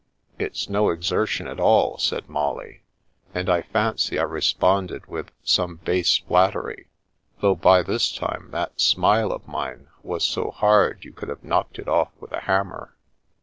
It's no exertion at all," said Molly, and I fancy I responded with some base flat tery, though by this time that smile of mine was so hard you could have knocked it off with a hammer.